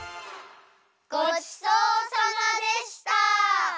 ごちそうさまでした！